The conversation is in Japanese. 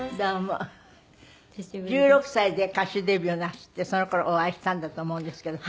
１６歳で歌手デビューなすってその頃お会いしたんだと思うんですけど。